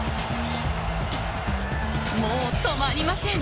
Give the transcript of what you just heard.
もう止まりません。